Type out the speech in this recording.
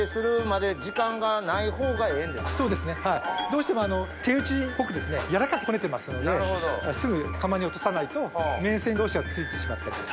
どうしても手打ちっぽく柔らかくこねてますのですぐ釜に落とさないと麺線同士がついてしまったり。